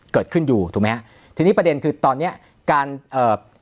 เกิดขึ้นอยู่ถูกไหมฮะทีนี้ประเด็นคือตอนเนี้ยการเอ่อ